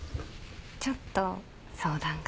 ちょっと相談が。